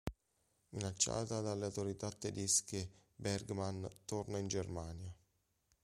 Minacciata dalle autorità tedesche, Bergmann torna in Germania.